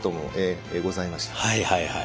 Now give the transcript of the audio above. はいはいはい。